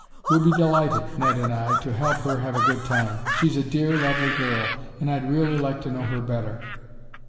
We'd be delighted, Ned and I, to help her have a good time. She's a dear, lovely girl and I'd really like to know her better."